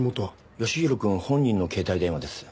吉宏くん本人の携帯電話です。